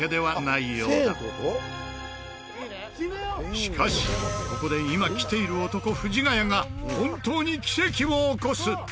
しかしここで今キテいる男藤ヶ谷が本当に奇跡を起こす。